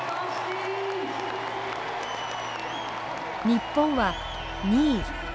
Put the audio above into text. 日本は２位。